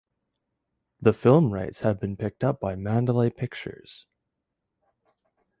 The film rights have been picked up by Mandalay Pictures.